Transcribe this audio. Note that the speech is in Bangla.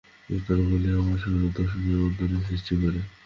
এই তরঙ্গগুলি আমাদের স্বরূপ-দর্শনে অন্তরায় সৃষ্টি করে।